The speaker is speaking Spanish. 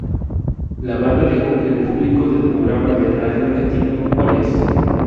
La banda dejó que el público del programa de radio argentino Cuál es?